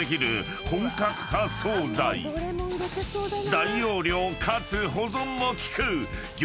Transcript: ［大容量かつ保存も利く業